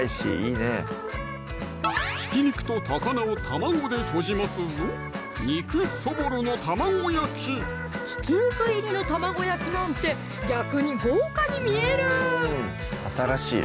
ひき肉と高菜を卵でとじますぞひき肉入りの卵焼きなんて逆に豪華に見える！